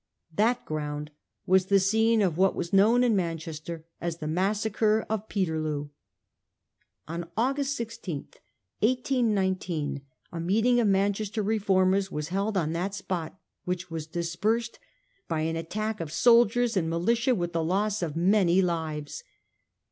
That ground was the scene of what was known in Manchester as the Massacre of Peterloo. On August 16, 1819, a meeting of Manchester Refor mers was held on that spot, which was dispersed by an attack of soldiers and militia, with the loss of many lives.